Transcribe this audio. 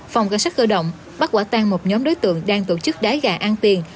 phòng cảnh sát khởi động bắt quả tan một nhóm đối tượng đang tổ chức đá gạ ăn tiền